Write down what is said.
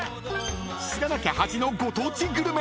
［知らなきゃ恥のご当地グルメ］